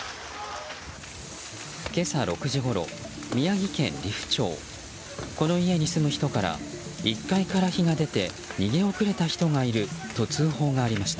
今朝６時ごろ宮城県利府町この家に住む人から１階から火が出て逃げ遅れた人がいると通報がありました。